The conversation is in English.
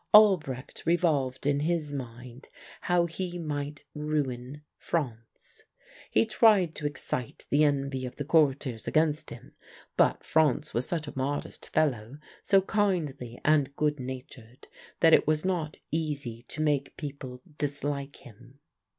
Albrecht revolved in his mind how he might ruin Franz. He tried to excite the envy of the courtiers against him, but Franz was such a modest fellow, so kindly and good natured, that it was not easy to make people dislike him.